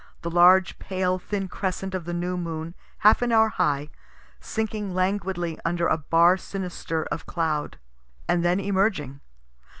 The large pale thin crescent of the new moon, half an hour high, sinking languidly under a bar sinister of cloud, and then emerging.